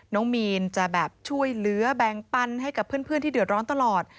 น้องมีนจะแบบช่วยเหลือแบ่งปันให้กับเพื่อนที่เดือดร้อนตลอด